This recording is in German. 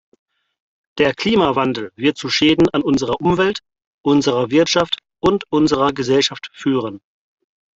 Der Klimawandel wird zu Schäden an unserer Umwelt, unserer Wirtschaft und unserer Gesellschaft führen.